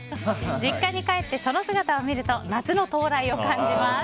実家に帰ってその姿を見ると夏の到来を感じます。